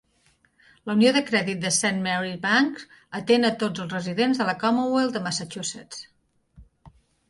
La unió de crèdit de Saint Mary's Bank atén a tots els residents de la Commonwealth de Massachusetts.